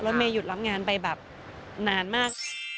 เมย์หยุดรับงานไปแบบนานมาก